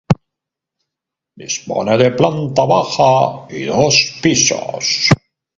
Dispone de planta baja y dos pisos.